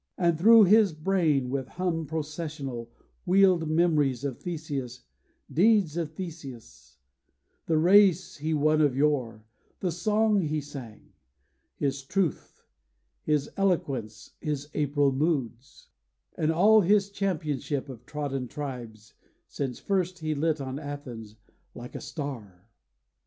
And thro' his brain, with hum processional, Wheeled memories of Theseus, deeds of Theseus, The race he won of yore, the song he sang; His truth, his eloquence, his April moods, And all his championship of trodden tribes, Since first he lit on Athens, like a star.